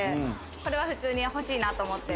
これは普通に欲しいなと思って。